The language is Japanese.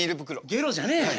ゲロじゃねえ。